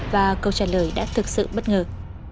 và câu trả lời đã thực sự bất ngờ